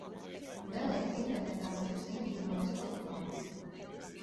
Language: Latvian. Neliec internetā savus intīmos foto!